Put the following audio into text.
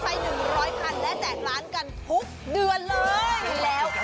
พรุ่งนี้๕สิงหาคมจะเป็นของใคร